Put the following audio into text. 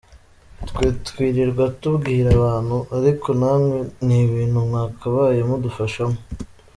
Twe twirirwa tubwira abantu, ariko namwe ni ibintu mwakabaye mudufashamo”.